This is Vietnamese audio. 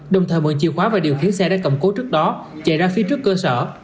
đồng thời mở chiều khóa và điều khiến xe đã cầm cố trước đó chạy ra phía trước cơ sở